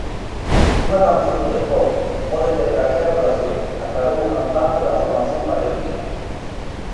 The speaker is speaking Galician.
"Unha canción de Pop pode ter calquera duración", aclarou o cantante da formación mallorquina.